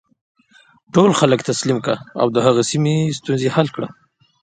ټول خلک تسلیم کړي او د هغې سیمې ستونزې حل کړي.